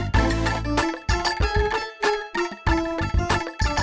ke another world ya dari sana